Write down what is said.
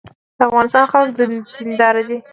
د افغانستان خلک دیندار دي